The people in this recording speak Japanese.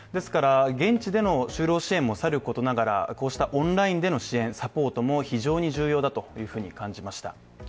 現地での就労支援もさることながらこうしたオンラインでの支援・サポートも非常に重要だと感じました。